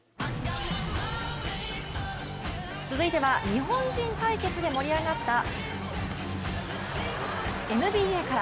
続いては日本人対決で盛り上がったＮＢＡから。